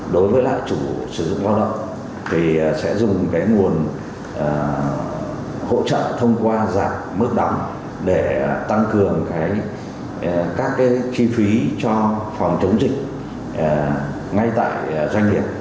đối với lại chủ sử dụng lao động thì sẽ dùng cái nguồn hỗ trợ thông qua giảm mức đóng để tăng cường các cái chi phí cho phòng chống dịch ngay tại doanh nghiệp